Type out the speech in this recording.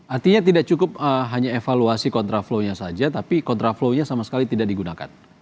artinya tidak cukup hanya evaluasi kontraflow nya saja tapi kontraflow nya sama sekali tidak digunakan